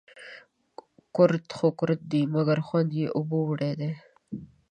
کورت خو کورت دي ، مگر خوند يې اوبو وړى دى